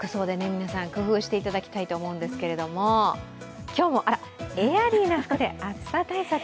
皆さん、工夫していただきたいと思うんですけど今日もエアリーな服で暑さ対策。